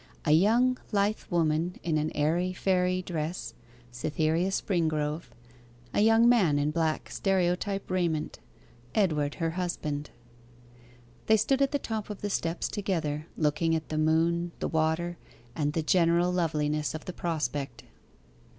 A young lithe woman in an airy fairy dress Cytherea Springrove: a young man in black stereotype raiment Edward, her husband. They stood at the top of the steps together, looking at the moon, the water, and the general loveliness of the prospect.